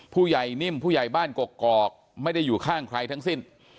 ผู้ใหญ่นิ่มผู้ใหญ่บ้านกกอกไม่ได้อยู่ข้างใครทั้งสิ้น